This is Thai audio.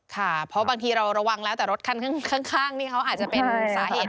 ค่ะเพราะบางทีเราระวังแล้วแต่รถคันข้างนี่เขาอาจจะเป็นสาเหตุ